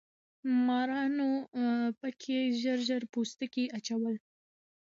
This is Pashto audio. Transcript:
مارانو پکې ژر ژر پوستکي اچول.